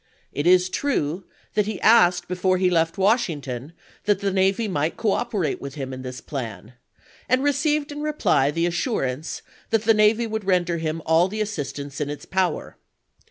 It is true that he asked before he left Washington that the navy might cooperate with him in this plan, and received in reply the assurance that the navy would render him all the assistance in its power.